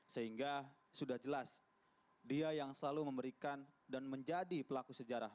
sehingga sudah jelas dia yang selalu memberikan dan menjadi pelaku sejarah